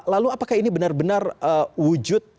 lalu apakah ini benar benar wujud